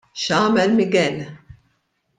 X'għamel Miguel.